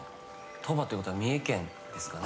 鳥羽っていうことは三重県ですかね。